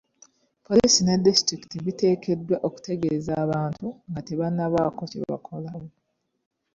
Poliisi ne disitulikiti biteekeddwa okutegeeza abantu nga tebannabaako kye bakolawo.